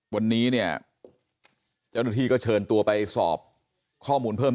วันนี้เนี่ยเจ้าหน้าที่ก็เชิญตัวไปสอบข้อมูลเพิ่ม